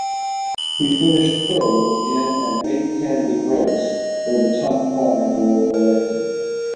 He finished third in an eight candidate race where the top five were elected.